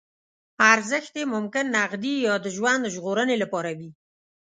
ارزښت یې ممکن نغدي یا د ژوند ژغورنې لپاره وي.